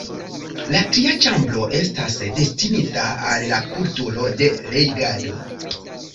La tria ĉambro estas destinita al la kulturo de legado.